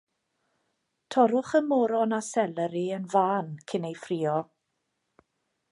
Torrwch y moron a seleri yn fân cyn eu ffrio.